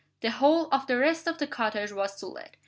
The whole of the rest of the cottage was to let.